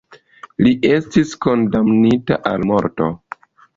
Li estis kondamnita al morto.